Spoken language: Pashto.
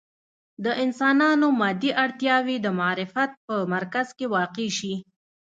د انسانانو مادي اړتیاوې د معرفت په مرکز کې واقع شي.